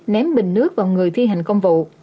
ném bình nước vào người thi hành công vụ